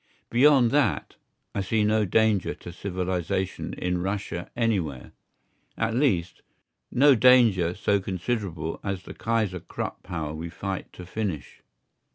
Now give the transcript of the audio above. Beyond that, I see no danger to civilisation in Russia anywhere—at least, no danger so considerable as the Kaiser Krupp power we fight to finish.